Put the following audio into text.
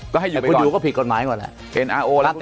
แต่คุณดูก็ผิดกฎหมายกว่าล่ะ